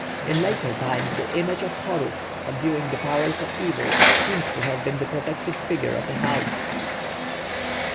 In later times the image of Horus subduing the powers of evil seems to have been the protective figure of the house.